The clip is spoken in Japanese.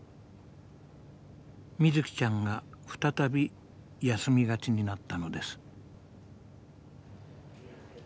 みずきちゃんが再び休みがちになったのです。